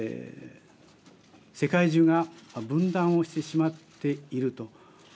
世界中が分断をしてしまっていると。